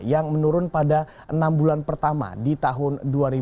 yang menurun pada enam bulan pertama di tahun dua ribu dua puluh